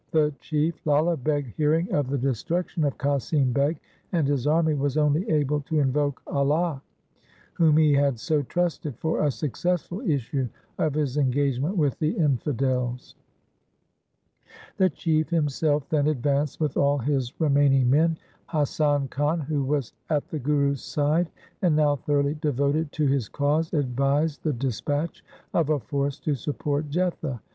The Chief, Lala Beg, hearing of the destruction of Qasim Beg and his army, was only able to invoke Allah, whom he had so trusted, for a successful issue of his engagement with the infidels. The Chief himself then advanced with all his remaining men. Hasan Khan, who was at the Guru's side and now thoroughly devoted to his cause, advised the dispatch of a force to support Jetha.